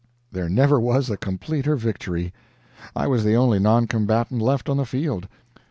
There never was a completer victory; I was the only non combatant left on the field.